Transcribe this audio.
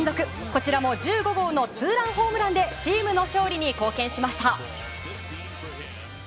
こちらも１５号のツーランホームランでチームの勝利に貢献しました。